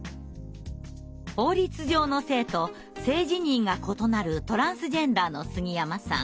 法律上の性と性自認が異なるトランスジェンダーの杉山さん。